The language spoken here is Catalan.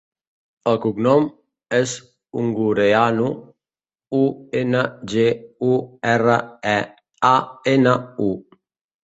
El cognom és Ungureanu: u, ena, ge, u, erra, e, a, ena, u.